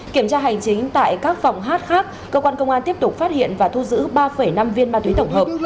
kiểm tra hành chính tại các phòng hát khác cơ quan công an tiếp tục phát hiện và thu giữ ba năm viên ma túy tổng hợp